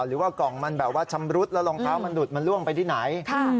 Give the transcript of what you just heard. หรือว่ากล่องมันแบบว่าชำรุดแล้วรองเท้ามันหลุดมันล่วงไปที่ไหน